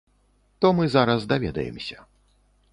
То мы зараз даведаемся.